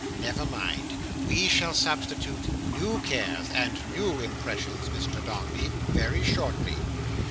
"Never mind; we shall substitute new cares and new impressions, Mr Dombey, very shortly.